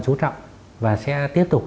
chú trọng và sẽ tiếp tục